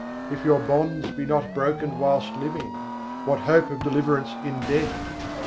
If your bonds be not broken whilst living, what hope of deliverance in death?